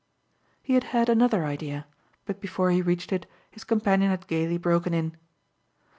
He had had another idea, but before he reached it his companion had gaily broken in.